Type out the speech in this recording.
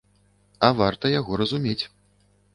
А варта яго разумець.